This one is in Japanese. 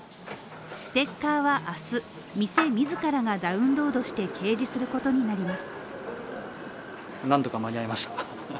ステッカーは明日店自らがダウンロードして掲示することになります。